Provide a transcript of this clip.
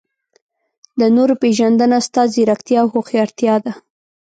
د نورو پېژندنه ستا ځیرکتیا او هوښیارتیا ده.